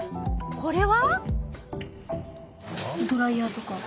これは？